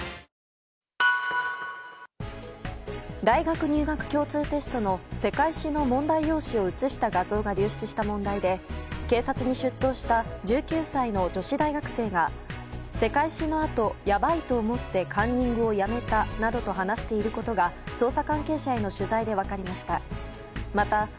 大学入学共通テストの世界史の問題用紙を写した画像が流出した問題で警察に出頭した１９歳の女子大学生が世界史のあと、やばいと思ってカンニングをやめたなどと話していることが捜査関係者への取材で分かりました。